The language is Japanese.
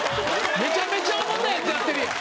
めちゃめちゃおもんないやつやってるやん。